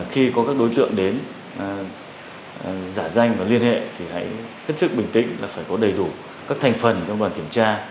khi có các đối tượng đến giả danh và liên hệ thì hãy hết sức bình tĩnh là phải có đầy đủ các thành phần trong đoàn kiểm tra